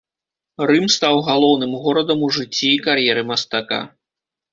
Рым стаў галоўным горадам у жыцці і кар'еры мастака.